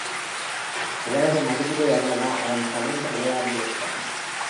இவளது மடியிலே அல்லவா அவன் தவழ்ந்து விளையாடியிருக்கிறான்.